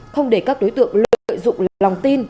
không để các đối tượng lợi dụng lòng tin